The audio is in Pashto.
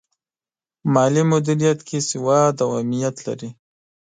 مالي مدیریت کې سواد اهمیت لري.